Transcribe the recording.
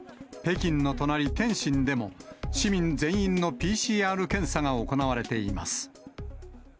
北京の隣、天津でも、市民全員のＰＣＲ検査が行われています。